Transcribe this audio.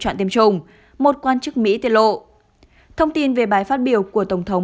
chọn tiêm chủng một quan chức mỹ tiết lộ thông tin về bài phát biểu của tổng thống